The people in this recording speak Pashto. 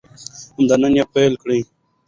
همدا نن یې پیل کړو.